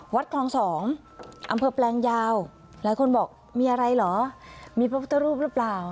วัดคลองสองอำเภอแปลงยาวหลายคนบอกมีอะไรเหรอมีพระพุทธรูปหรือเปล่า